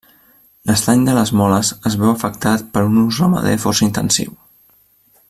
L'estany de les Moles es veu afectat per un ús ramader força intensiu.